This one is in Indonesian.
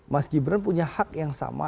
mas gibran punya hak yang sama